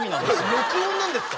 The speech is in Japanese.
録音なんですか？